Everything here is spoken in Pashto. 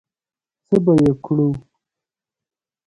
څه به یې کړو؟